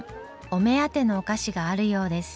お目当てのお菓子があるようです。